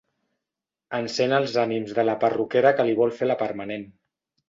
Encén els ànims de la perruquera que li vol fer la permanent.